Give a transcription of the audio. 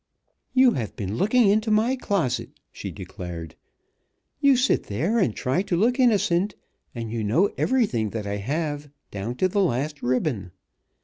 "You have been looking into my closet!" she declared. "You sit there and try to look innocent, and you know everything that I have, down to the last ribbon!